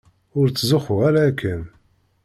Ur tzuxxu ara akken.